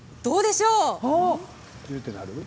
どうでしょう？